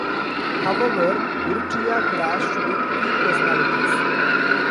However, Urrutia clashed with key personalities.